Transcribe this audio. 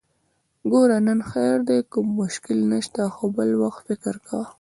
ګوره! نن خير دی، کوم مشکل نشته، خو بل وخت فکر کوه!